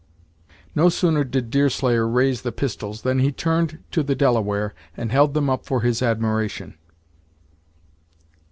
No sooner did Deerslayer raise the pistols, than he turned to the Delaware and held them up for his admiration.